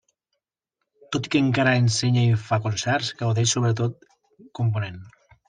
Tot i que encara ensenya i fa concerts, gaudeix sobretot component.